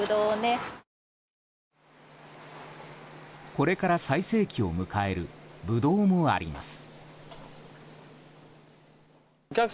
これから最盛期を迎えるブドウもあります。